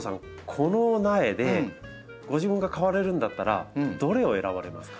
この苗でご自分が買われるんだったらどれを選ばれますか？